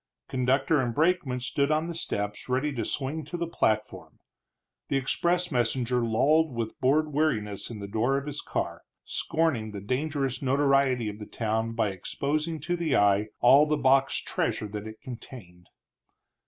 Conductor and brakeman stood on the steps ready to swing to the platform; the express messenger lolled with bored weariness in the door of his car, scorning the dangerous notoriety of the town by exposing to the eye all the boxed treasure that it contained.